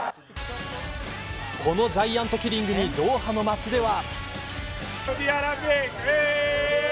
このジャイアントキリングにドーハの街では。